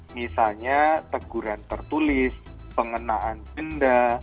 misalnya teguran tertulis pengenaan denda